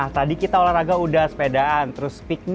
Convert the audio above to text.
nah tadi kita olahraga udah sepedaan nah tadi kita olahraga udah sepedaan